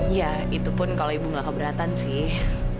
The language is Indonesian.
ya itu pun kalau ibu nggak keberatan sih